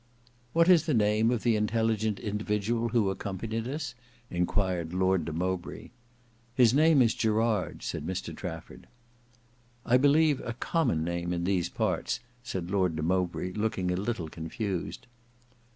"What is the name of the intelligent individual who accompanied us?" enquired Lord de Mowbray. "His name is Gerard," said Mr Trafford. "I believe a common name in these parts," said Lord de Mowbray looking a little confused.